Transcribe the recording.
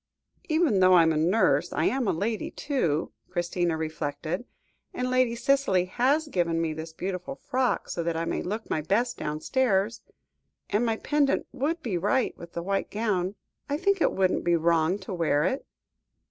"Even though I am a nurse, I am a lady, too," Christina reflected; "and Lady Cicely has given me this beautiful frock, so that I may look my best downstairs, and, my pendant would be right with the white gown. I think it wouldn't be wrong to wear it."